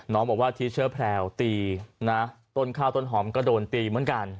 บอกว่าทิเชอร์แพลวตีนะต้นข้าวต้นหอมก็โดนตีเหมือนกัน